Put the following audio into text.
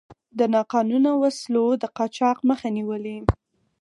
د ناقانونه وسلو د قاچاق مخه نیولې.